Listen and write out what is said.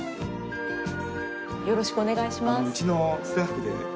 よろしくお願いします。